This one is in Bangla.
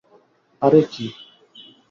আরে, কী?